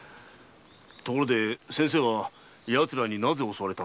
ところで先生は奴らになぜ襲われたのです？